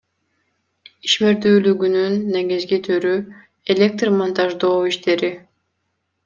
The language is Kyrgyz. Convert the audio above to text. Ишмердүүлүгүнүн негизги түрү — электр монтаждоо иштери.